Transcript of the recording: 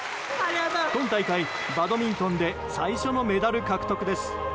今大会バドミントンで最初のメダル獲得です。